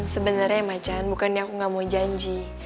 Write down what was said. sebenernya macan bukan aku gak mau janji